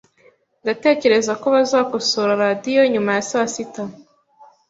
Ndatekereza ko bazakosora radio nyuma ya saa sita.